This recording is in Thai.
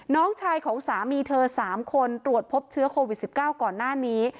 น้องชายของสามีเธอ๓คนตรวจพบเชื้อโควิด๑๙ก่อนหน้านี้